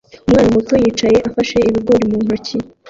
Umwana muto yicaye afashe ibigori mu ntoki